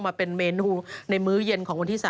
มาเป็นเมนูในมื้อเย็นของวันที่๓